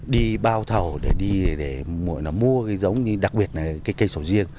đi bao thầu để đi để mua giống như đặc biệt là cây sầu riêng